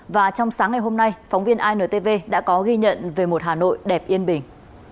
và trong sáng ngày hôm nay phóng viên intv đã có ghi nhận về một hà nội đẹp yên bình